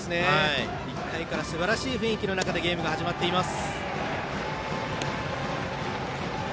１回からすばらしい雰囲気の中でゲームが始まっています。